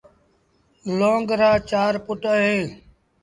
لونگ رآ چآر پُٽ اهيݩ۔